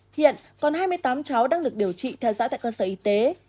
hiện còn hai mươi tám cháu đang được điều trị theo dõi tại cơ sở y tế